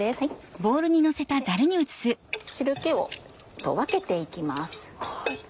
汁気と分けて行きます。